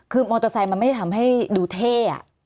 คือมอเตอร์ไซค์มันไม่ได้ทำให้ดูเท่